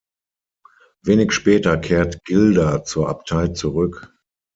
Wenig später kehrt Gilder zur Abtei zurück.